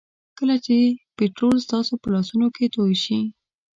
کله چې پټرول ستاسو په لاسونو کې توی شي.